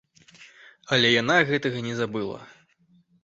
Але яна гэтага не забыла.